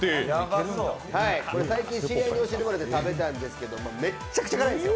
最近、知り合いに教えてもらって食べたんですけどめっちゃくちゃ辛いんですよ。